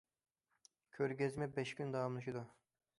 كۆرگەزمە بەش كۈن داۋاملىشىدۇ.